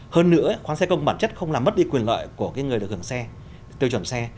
hơn nữa khóa xe công bản chất không làm mất đi quyền lợi của người được hưởng xe tiêu chuẩn xe